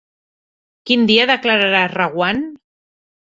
Quin dia declararà Reguant?